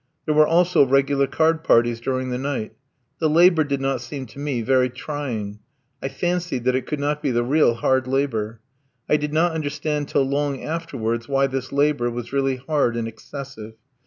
There were also regular card parties during the night. The labour did not seem to me very trying; I fancied that it could not be the real "hard labour." I did not understand till long afterwards why this labour was really hard and excessive.